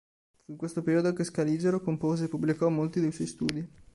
Fu in questo periodo che Scaligero compose e pubblicò molti dei suoi studi.